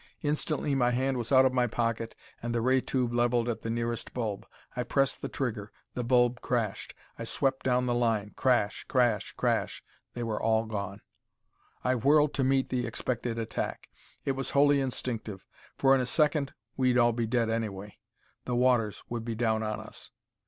Instantly my hand was out of my pocket, and the ray tube leveled at the nearest bulb. I pressed the trigger. The bulb crashed. I swept down the line. Crash, crash, crash they were all gone. I whirled to meet the expected attack. It was wholly instinctive, for in a second we'd all be dead anyway. The waters would be down on us.